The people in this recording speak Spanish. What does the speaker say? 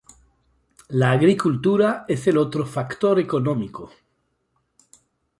La agricultura es el otro factor económico.